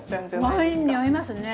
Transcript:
ワインに合いますね。